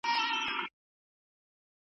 تعقل تر تخیل غوره ګڼل کیږي.